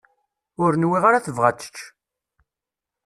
Ur nwiɣ ara tebɣa ad tečč.